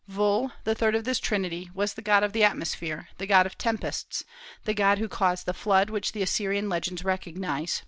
Vul, the third of this trinity, was the god of the atmosphere, the god of tempests, the god who caused the flood which the Assyrian legends recognize.